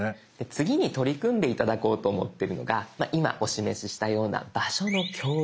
次に取り組んで頂こうと思ってるのが今お示ししたような「場所の共有」。